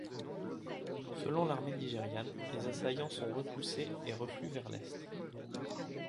Selon l'armée nigériane, les assaillants sont repoussés et refluent vers l'est.